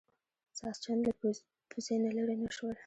ساسچن له پوزې نه لرې نه شول.